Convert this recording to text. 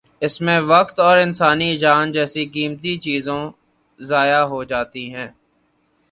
اس میں وقت اور انسانی جان جیسی قیمتی چیزوں ضائع ہو جاتی ہیں۔